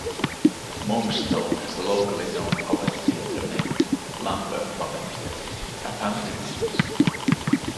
Monkstown has a locally known puppet theatre named Lambert Puppet Theatre, a family-run business.